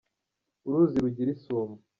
uruzi rugira isumo.